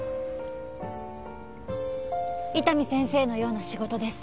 伊丹先生のような仕事です。